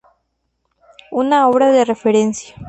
Una obra de referencia.